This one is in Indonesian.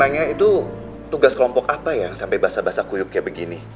memangnya itu tugas kelompok apa ya sampai basah basah kuyuk kayak begini